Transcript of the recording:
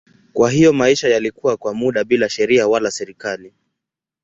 Kwa hiyo maisha yalikuwa kwa muda bila sheria wala serikali.